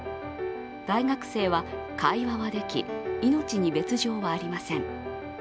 大学生は会話はでき、命に別状はありません。